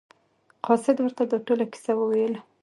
قاصد ورته دا ټوله کیسه وویله.